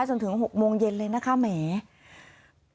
จนถึง๖โมงเย็นเลยนะคะแหม